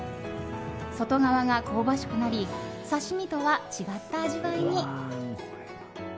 外側が香ばしくなり刺し身とは違った味わいに。